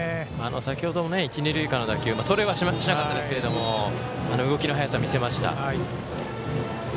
先ほども一、二塁間の打球とれはしなかったですけど動きの速さ、見せました。